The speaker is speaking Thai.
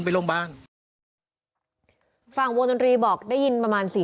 ตำรวจอีกหลายคนก็หนีออกจุดเกิดเหตุทันที